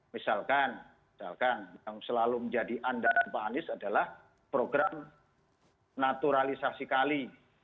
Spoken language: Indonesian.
misalkan yang selalu menjadi andalan pak anies adalah program naturalisasi kali